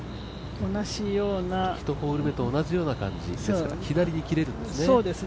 １ホール目と同じような感じですが、左に切れるんですね。